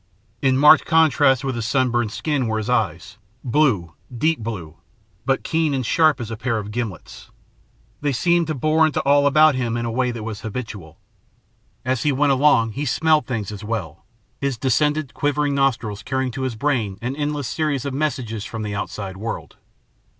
In marked contrast with his sunburned skin were his eyes blue, deep blue, but keen and sharp as a pair of gimlets. They seemed to bore into aft about him in a way that was habitual. As he went along he smelled things, as well, his distended, quivering nostrils carrying to his brain an endless series of messages from the outside world.